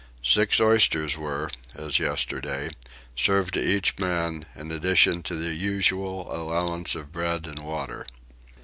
Six oysters were, as yesterday, served to each man, in addition to the usual allowance of bread and water.